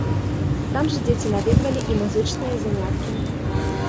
Там жа дзеці наведвалі і музычныя заняткі.